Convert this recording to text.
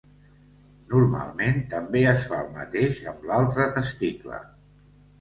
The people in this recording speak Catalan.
Normalment, també es fa el mateix amb l'altre testicle.